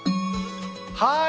はい。